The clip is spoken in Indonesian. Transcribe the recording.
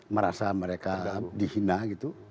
merasa mereka dihina gitu